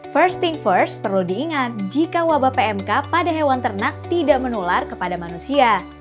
first thing first perlu diingat jika wabah pmk pada hewan ternak tidak menular kepada manusia